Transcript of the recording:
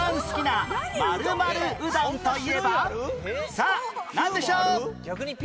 さあなんでしょう？